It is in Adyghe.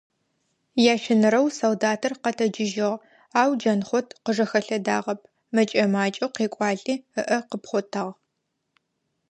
Ящэнэрэу солдатыр къэтэджыжьыгъ, ау Джанхъот къыжэхэлъэдагъэп, мэкӀэ-макӀэу къекӀуалӀи, ыӀэ къыпхъотагъ.